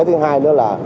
thứ hai nữa là